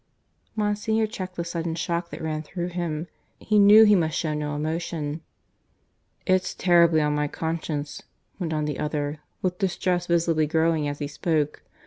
Monsignor checked the sudden shock that ran through him. He knew he must show no emotion. "It's terribly on my conscience," went on the other, with distress visibly growing as he spoke.